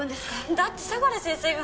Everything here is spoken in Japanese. だって相良先生が。